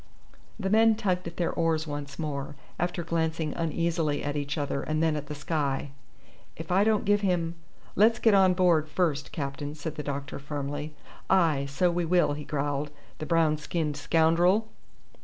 The men tugged at their oars once more, after glancing uneasily at each other and then at the sky. "If I don't give him " "Let's get on board first, captain," said the doctor, firmly. "Ay, so we will," he growled. "The brown skinned scoundrel!"